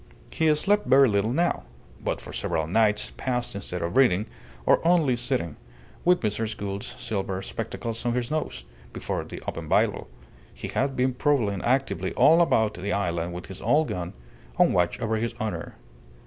He slept very little now; but for several nights past instead of reading or only sitting, with Mrs. Gould's silver spectacles on his nose, before the open Bible, he had been prowling actively all about the island with his old gun, on watch over his honour.